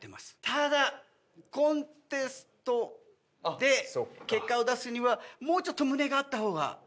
ただコンテストで結果を出すにはもうちょっと胸があった方が。